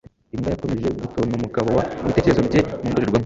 Imbwa yakomeje gutonmugaboa ku bitekerezo bye mu ndorerwamo.